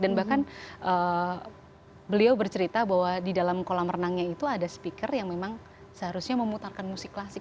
dan bahkan beliau bercerita bahwa di dalam kolam renangnya itu ada speaker yang memang seharusnya memutarkan musik klasik